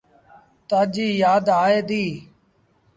تآجيٚ يآد آئي دي۔